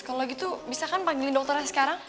kalau gitu bisa kan panggil dokternya sekarang